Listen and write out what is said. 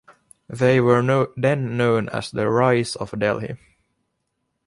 They were then known as the Rais of Delhi.